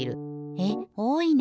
えっ？おおいね。